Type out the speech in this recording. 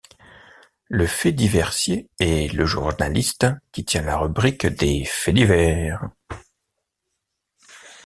Le fait-diversier est le journaliste qui tient la rubrique des faits-divers.